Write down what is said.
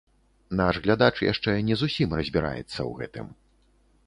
Наш глядач яшчэ не зусім разбіраецца ў гэтым.